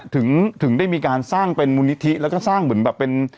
ถึงได้มีการสร้างเป็นมูลนิธิแล้วก็สร้างเหมือนแบบเป็น